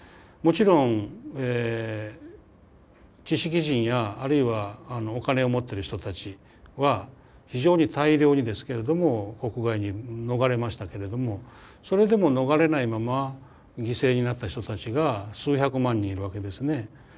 もちろん知識人やあるいはお金を持ってる人たちは非常に大量にですけれども国外に逃れましたけれどもそれでも逃れないまま犠牲になった人たちが数百万人いるわけですね。